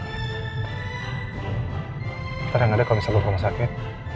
kita yang ada kalau bisa ke rumah sakit